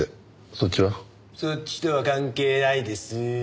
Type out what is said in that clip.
そっちとは関係ないです。